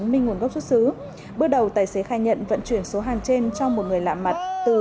minh nguồn gốc xuất xứ bước đầu tài xế khai nhận vận chuyển số hàng trên cho một người lạ mặt từ